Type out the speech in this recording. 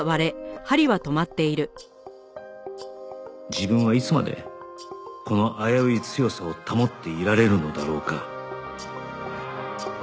自分はいつまでこの危うい強さを保っていられるのだろうか